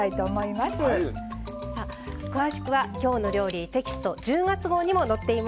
さあ詳しくは「きょうの料理」テキスト１０月号にも載っています。